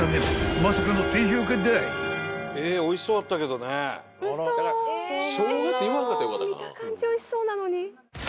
見た感じおいしそうなのに。